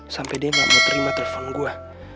sampai dia gak mau terima telepon gue